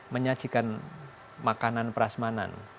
menyajikan makanan prasmanan